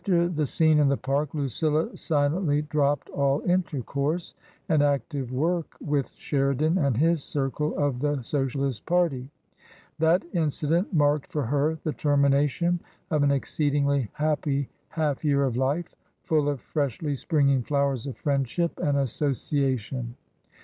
After the scene in the Park, Lucilla silently dropped all intercourse and active work with Sheridan and his circle of the Socialist party. That incident marked for her the termination of an exceedingly happy half year of life, full of freshly springing flowers of friendship and asso ciation.